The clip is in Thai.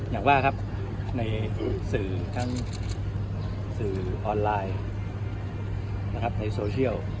อย่างว่าครับในสื่อทั้งสื่อออนไลน์นะครับในโซเชียล